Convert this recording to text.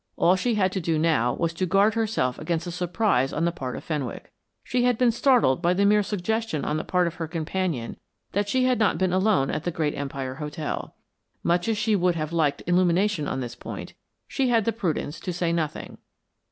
All she had to do now was to guard herself against a surprise on the part of Fenwick. She had been startled by the mere suggestion on the part of her companion that she had not been alone at the Great Empire Hotel. Much as she would have liked illumination on this point, she had the prudence to say nothing.